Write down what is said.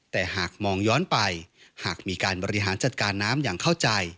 แต่หากมองย้อนไปหากมีการบริหารจัดการน้ำอย่างเข้าใจ